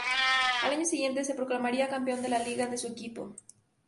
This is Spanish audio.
Al año siguiente se proclamaría campeón de la liga con su equipo.